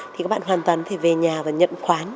thì các bạn hoàn toàn thể về nhà và nhận khoán